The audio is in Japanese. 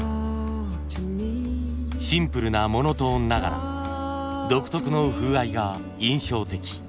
シンプルなモノトーンながら独特の風合いが印象的。